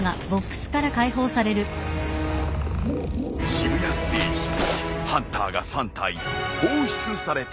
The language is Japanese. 渋谷ステージハンターが３体放出された。